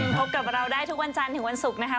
พบกับเราได้ทุกวันจันทร์ถึงวันศุกร์นะคะ